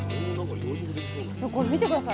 これ見て下さい。